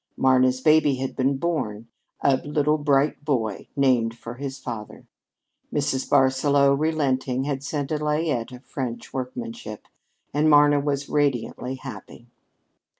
Marna's baby had been born a little bright boy, named for his father. Mrs. Barsaloux, relenting, had sent a layette of French workmanship, and Marna was radiantly happy.